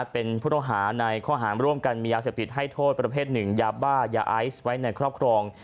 เป็นผู้ต้องหาในข้อหารร่วมกันมียาเสพติดให้โทษประเภทหนึ่งยาบ้ายาไอซ์ไว้ในครอบครอง